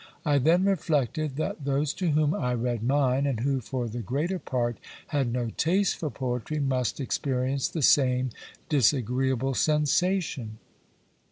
I then reflected, that those to whom I read mine, and who, for the greater part, had no taste for poetry, must experience the same disagreeable sensation.